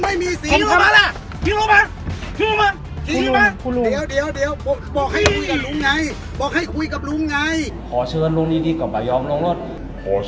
พี่มันไม่มีสิ่งกับผมนะครับ